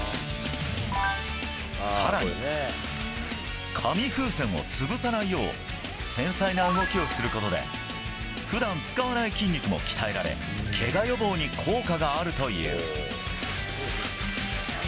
更に、紙風船を潰さないよう繊細な動きをすることで普段使わない筋肉も鍛えられけが予防に効果があるという。